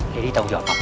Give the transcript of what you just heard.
lady tanggung jawab papa